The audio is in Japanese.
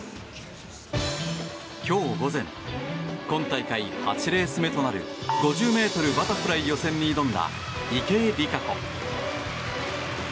今日午前今大会８レース目となる５０ｍバタフライ予選に挑んだ池江璃花子。